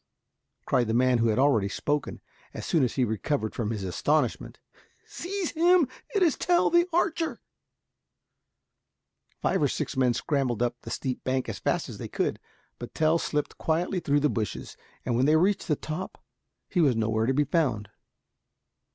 cried the man who had already spoken, as soon as he recovered from his astonishment. "Seize him, it is Tell the archer." Five or six men scrambled up the steep bank as fast as they could. But Tell slipped quietly through the bushes, and when they reached the top he was nowhere to be found.